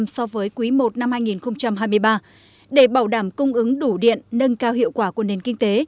so với quý i năm hai nghìn hai mươi ba để bảo đảm cung ứng đủ điện nâng cao hiệu quả của nền kinh tế